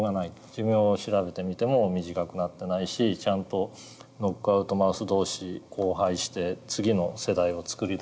寿命を調べてみても短くなってないしちゃんとノックアウトマウス同士交配して次の世代を作り出す。